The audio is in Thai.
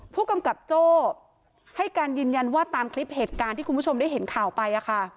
ผู้กำกับโจ้ให้การยืนยันว่าตามคลิปเหตุการณ์ที่คุณผู้ชมได้เห็นข่าวไป